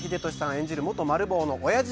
演じる元マル暴のオヤジ